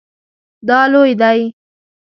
دا لوی دی